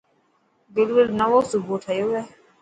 گلگل نوو صوبو ٺهيو هي.